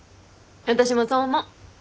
私もそう思う。